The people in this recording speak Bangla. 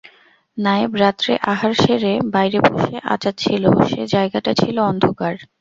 নায়েব রাত্রে আহার সেরে বাইরে বসে আঁচাচ্ছিল, সে জায়গাটা ছিল অন্ধকার।